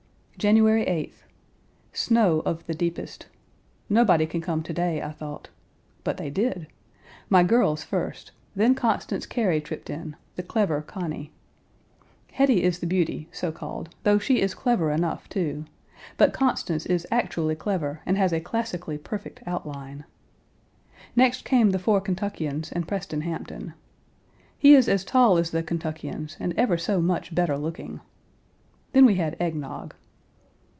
January 8th. Snow of the deepest. Nobody can come to day, I thought. But they did! My girls, first; then Constance Cary tripped in the clever Conny. Hetty is the beauty, so called, though she is clever enough, too; but Constance is actually clever and has a classically perfect outline. Next came the four Kentuckians and Preston Hampton. He is as tall as the Kentuckians and ever so much better looking. Then we had egg nog.